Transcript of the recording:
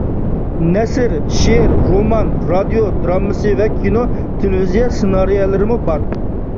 نەسر، شېئىر، رومان، رادىيو دىرامىسى ۋە كىنو تېلېۋىزىيە سېنارىيەلىرىمۇ بار.